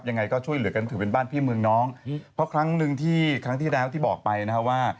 ยังไงก็ช่วยเหลือกันถือเป็นบ้านพี่เมืองน้องเพราะครั้งหนึ่งที่ครั้งที่แล้วที่บอกไปนะฮะว่า